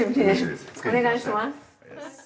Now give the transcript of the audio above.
お願いします。